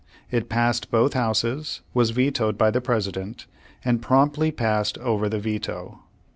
It passed both Houses, was vetoed by the President, and promptly passed over the veto.